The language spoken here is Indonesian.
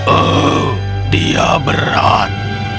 oh dia berat